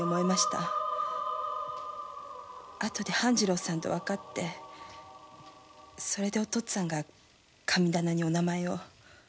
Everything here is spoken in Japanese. あとで半次郎さんと分かってそれでお父っつぁんが神棚にお名前を。